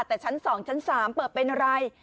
แต่ชั้น๒ชั้น๓เปิดเป็นอะไร